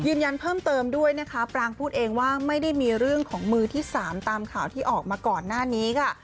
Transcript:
ยืนยันเพิ่มเติมด้วยนะคะปรางพูดเองว่าไม่ได้มีเรื่องของมือที่สามตามข่าวที่ออกมาก่อนหน้านี้ค่ะ